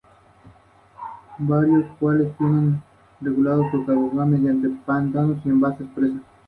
Consigue la pole de nuevo en Donington Park, quedando tercero y primero.